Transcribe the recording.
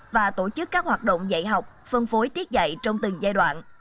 và tổ chức các hoạt động dạy học phân phối tiết dạy trong từng giai đoạn